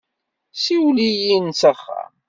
Siwel-iyi-n s axxam.